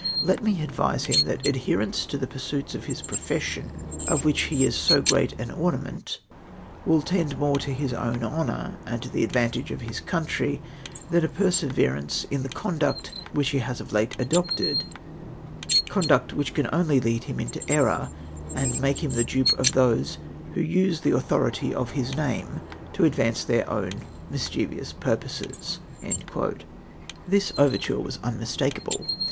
Let me advise him that adherence to the pivrsiiits of Ms profession^ of which he is so great an ornament, will tend more to his owti honour and to the ad vantage of his country, than a perseverance in the conduct which he has of late adopted, conduct whicli can only lead him into error, and make him the dupe of those who use the authority of his name to advance their own mischievous purposes." This overture was unmistakable.